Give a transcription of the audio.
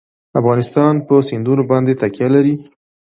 افغانستان په سیندونه باندې تکیه لري.